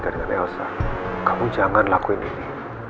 terima kasih untuk hari ini